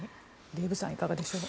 デーブさん、いかがでしょう。